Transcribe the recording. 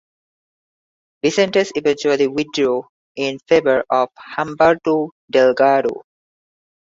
Vicente eventually withdrew in favour of Humberto Delgado.